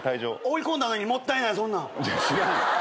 追い込んだのにもったいないそんなん。